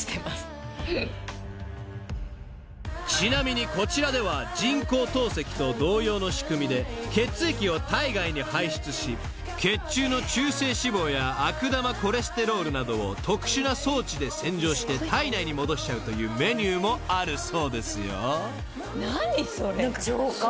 ［ちなみにこちらでは人工透析と同様の仕組みで血液を体外に排出し血中の中性脂肪や悪玉コレステロールなどを特殊な装置で洗浄して体内に戻しちゃうというメニューもあるそうですよ］